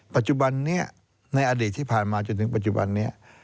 ปัจจุบันนี้ในอดีตที่ผ่านมาจนถึงปัจจุบันนี้